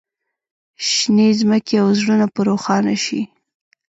شینې ځمکې او زړونه په روښانه شي.